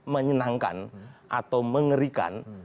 menyenangkan atau mengerikan